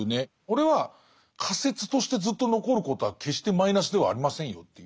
これは仮説としてずっと残ることは決してマイナスではありませんよという。